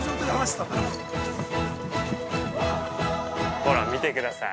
◆ほら、見てください。